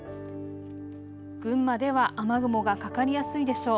群馬では雨雲がかかりやすいでしょう。